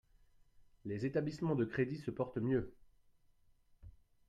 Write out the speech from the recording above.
Les établissements de crédit se portent mieux.